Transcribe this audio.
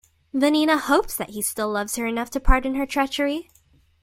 Vanina hopes that he still loves her enough to pardon her treachery.